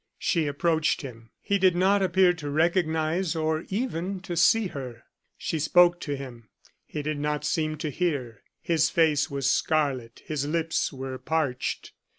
She approached him. He did not appear to recognize or even to see her. She spoke to him. He did not seem to hear. His face was scarlet, his lips were parched.